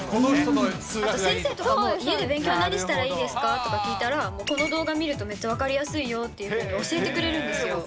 先生とかも、家で勉強何したらいいですかとか聞いたら、この動画見るとめっちゃ分かりやすいよっていうふうに教えてくれるんですよ。